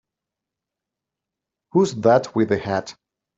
Who's that with the hat?